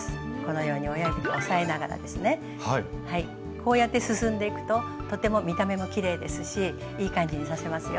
こうやって進んでいくととても見た目もきれいですしいい感じに刺せますよ。